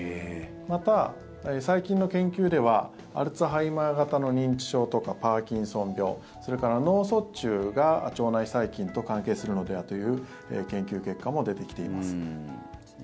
また、最近の研究ではアルツハイマー型の認知症とかパーキンソン病それから脳卒中が腸内細菌と関係するのではという研究結果も出てきています。